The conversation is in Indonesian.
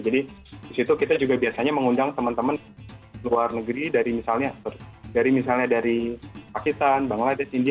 jadi di situ kita juga biasanya mengundang teman teman luar negeri dari misalnya dari pakistan bangladesh indi